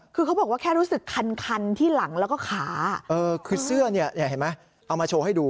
คือเขาบอกว่าแค่รู้สึกคันคันที่หลังแล้วก็ขาคือเสื้อเนี่ยเห็นไหมเอามาโชว์ให้ดู